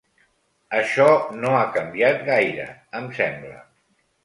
Això no ha canviat gaire, em sembla.